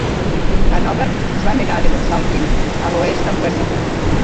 Hannover es va negar a defensar el Rin a l'oest del Weser.